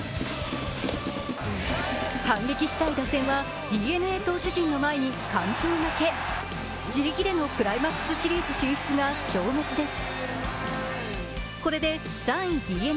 反撃したい打線はＤｅＮＡ投手陣の前に完封負け自力でのクライマックスシリーズ進出が消滅です。